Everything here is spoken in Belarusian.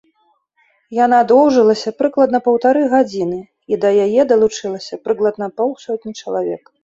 Яна доўжылася прыкладна паўтары гадзіны і да яе далучылася прыкладна паўсотні чалавек.